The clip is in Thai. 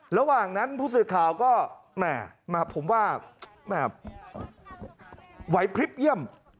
ระหว่างนั้นผู้สื่อข่าวก็แหม่ผมว่าไหวพลิบเยี่ยม